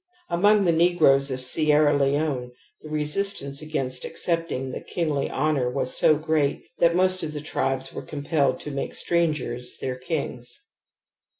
Among the negroes of Sierra Leone the resistance against accepting the kingly honour was so great that most of the tribes were compelled to make strangers their kings.